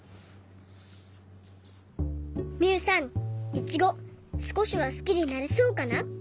イチゴすこしは好きになれそうかな？